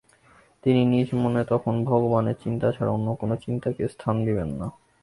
তিনি নিজ মনে তখন ভগবানের চিন্তা ছাড়া অন্য কোন চিন্তাকে স্থান দিবেন না।